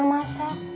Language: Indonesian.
neng mau belajar masak